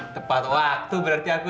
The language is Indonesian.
tepat waktu berarti aku